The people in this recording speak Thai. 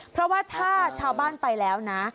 เพราะว่าถ้าชาวบ้านไปแล้วนะ